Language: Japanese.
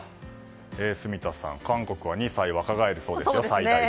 住田さん、韓国は２歳若返るそうです、最大で。